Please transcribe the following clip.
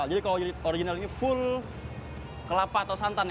jadi kalau original ini full kelapa atau santan ya